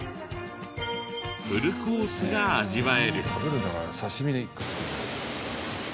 フルコースが味わえる。